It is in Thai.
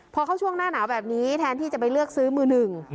พอเข้าช่วงหน้าหนาวแบบนี้แทนที่จะไปเลือกซื้อมือหนึ่ง